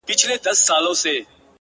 اوس د شپې سوي خوبونه زما بدن خوري ـ